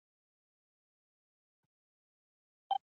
مور یې لادینه ده.